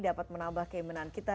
dapat menambah keimanan kita